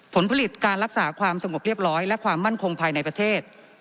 ผลผลิตการรักษาความสงบเรียบร้อยและความมั่นคงภายในประเทศ